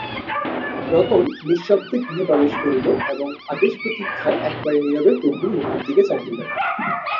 রতন নিঃশব্দে গৃহে প্রবেশ করিল এবং আদেশপ্রতীক্ষায় একবার নীরবে প্রভুর মুখের দিকে চাহিল।